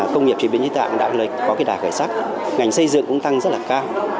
công nghiệp chế biến xứ tạng đạt lệnh có đạt khởi sắc ngành xây dựng cũng tăng rất là cao